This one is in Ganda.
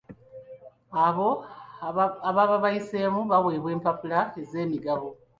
Abo ababa bayiseemu baweebwa empapula z'emigabo.